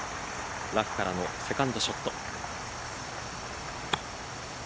ラフからのセカンドショット。